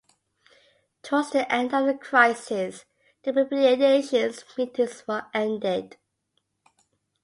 Towards the end of the crisis, the repudiation meetings were ended.